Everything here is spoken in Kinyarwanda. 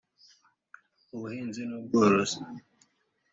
ubuhinzi n’ubwikorezi